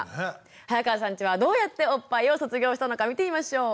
早川さんちはどうやっておっぱいを卒業したのか見てみましょう。